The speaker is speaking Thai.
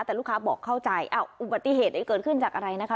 แต่ลูกค้าบอกเข้าใจอ้าวอุบัติเหตุเกิดขึ้นจากอะไรนะคะ